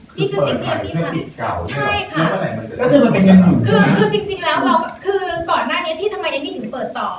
ใช่ค่ะคือจริงจริงแล้วเราก็คือก่อนหน้านี้ที่ทำไมเอ็มมี่ถึงเปิดต่อ